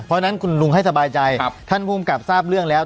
เพราะฉะนั้นคุณลุงให้สบายใจท่านภูมิกับทราบเรื่องแล้ว